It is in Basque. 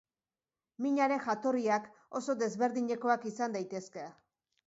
Minaren jatorriak oso desberdinekoak izan daitezke.